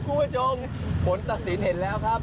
คุณผู้ชมผลตัดสินเห็นแล้วครับ